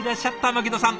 牧野さん。